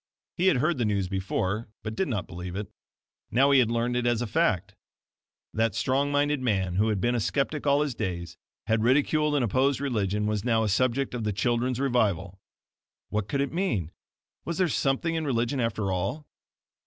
He had heard the news before, but did not believe it. Now he had learned it as a fact. That strong minded man who had been a skeptic all his days, had ridiculed and opposed religion, was now a subject of "the children's revival." What could it mean? Was there something in religion after all?